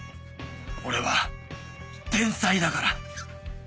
俺は天才だから」。